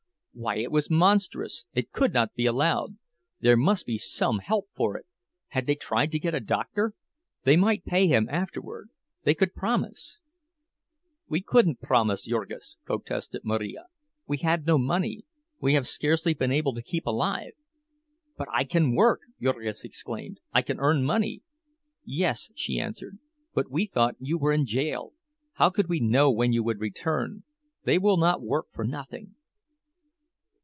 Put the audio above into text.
Why, it was monstrous—it could not be allowed—there must be some help for it! Had they tried to get a doctor? They might pay him afterward—they could promise— "We couldn't promise, Jurgis," protested Marija. "We had no money—we have scarcely been able to keep alive." "But I can work," Jurgis exclaimed. "I can earn money!" "Yes," she answered—"but we thought you were in jail. How could we know when you would return? They will not work for nothing."